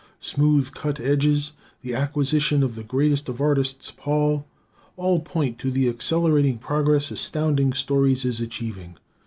Smooth cut edges, the acquisition of the greatest of artists, Paul, all point to the accelerating progress Astounding Stories is achieving.